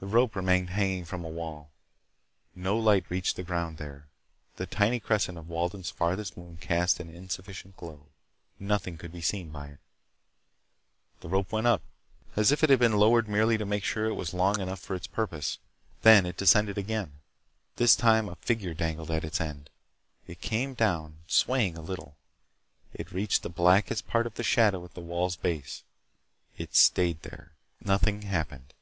The rope remained hanging from the wall. No light reached the ground there. The tiny crescent of Walden's farthest moon cast an insufficient glow. Nothing could be seen by it. The rope went up, as if it had been lowered merely to make sure that it was long enough for its purpose. Then it descended again. This time a figure dangled at its end. It came down, swaying a little. It reached the blackest part of the shadow at the wall's base. It stayed there. Nothing happened.